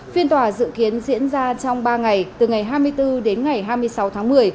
phiên tòa dự kiến diễn ra trong ba ngày từ ngày hai mươi bốn đến ngày hai mươi sáu tháng một mươi